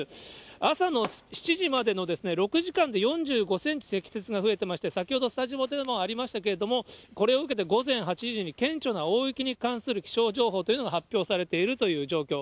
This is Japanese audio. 朝の７時までの６時間で４５センチ積雪が増えてまして、先ほど、スタジオでもありましたけれども、これを受けて午前８時に顕著な大雪に関する気象情報というのが発表されているという状況。